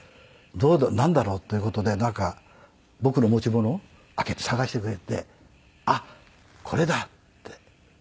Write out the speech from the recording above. なんだろう？という事で僕の持ち物開けて探してくれて「あっこれだ」って。